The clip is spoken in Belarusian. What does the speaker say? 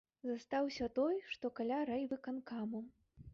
Застаўся той, што каля райвыканкаму.